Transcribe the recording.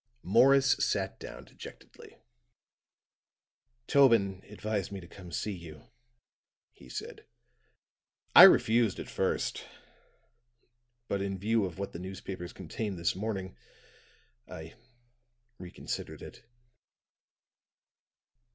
Morris sat down dejectedly. "Tobin advised me to come see you," he said. "I refused at first; but in view of what the newspapers contain this morning, I reconsidered it."